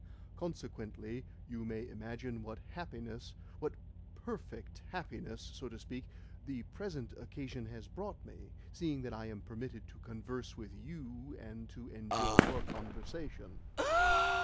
"Consequently you may imagine what happiness what PERFECT happiness, so to speak the present occasion has brought me, seeing that I am permitted to converse with you and to enjoy your conversation."